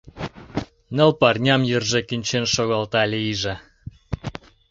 Ныл пырням йырже кӱнчен шогалта лийже.